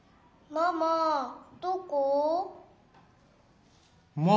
「ママどこ？」。